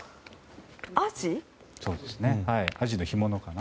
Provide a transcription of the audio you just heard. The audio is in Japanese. アジの干物かな。